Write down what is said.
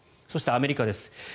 そして、アメリカです。